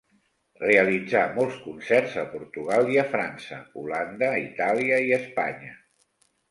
Realitzà molts concerts a Portugal i a França, Holanda, Itàlia i Espanya.